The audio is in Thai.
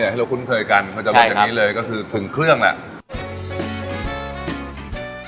ให้เราคุ้นเคยกันใช่ครับก็จะเรียกจากนี้เลยก็คือถึงเครื่องแหละ